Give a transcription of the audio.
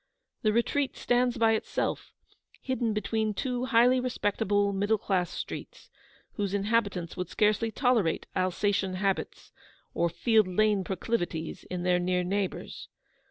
The retreat stands by itself, hidden between two highly respectable middle class streets, whose inhabitants would scarcely tolerate Alsatian habits or Field Lane proclivities in their near neighbours.